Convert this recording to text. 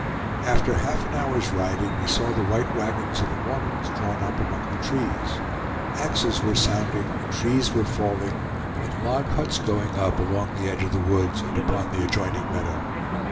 After half an hour's riding we saw the white wagons of the Mormons drawn up among the trees. Axes were sounding, trees were falling, and log huts going up along the edge of the woods and upon the adjoining meadow.